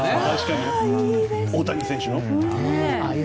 大谷選手の。